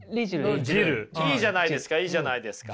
いいじゃないですかいいじゃないですか。